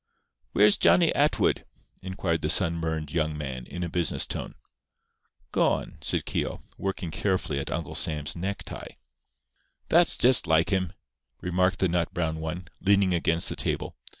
"Where's Johnny Atwood?" inquired the sunburned young man, in a business tone. "Gone," said Keogh, working carefully at Uncle Sam's necktie. "That's just like him," remarked the nut brown one, leaning against the table.